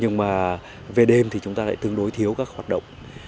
nhưng mà về đêm thì chúng ta lại tương đối thiếu các hoạt động